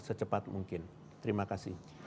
secepat mungkin terima kasih